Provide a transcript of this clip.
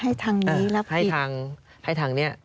ให้ทางคุณครูรับผิดไม่ใช่ให้ทางนี้รับผิด